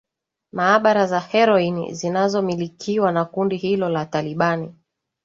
maabara za heroin zinazomilikiwa na kundi hilo la taliban